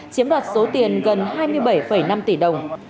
chiếm đoạt số tiền gần hai mươi bảy năm tỷ đồng